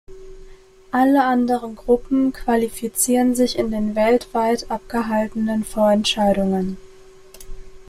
Alle anderen Gruppen qualifizieren sich in den weltweit abgehaltenen Vorentscheidungen.